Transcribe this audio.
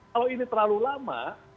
kalau ini terlalu lama kita banyak ingin